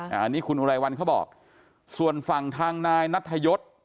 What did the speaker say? อันนี้คุณอุไรวันเขาบอกส่วนฝั่งทางนายนัทยศ